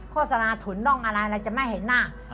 โฆษณาถุนร่องอะไรเราจะไม่เห็นหน้า